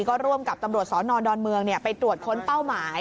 ก็ร่วมกับตำรวจสนดอนเมืองไปตรวจค้นเป้าหมาย